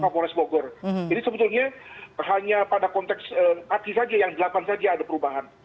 jadi sebetulnya hanya pada konteks delapan saja ada perubahan